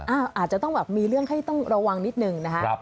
อาจจะต้องแบบมีเรื่องให้ต้องระวังนิดนึงนะคะ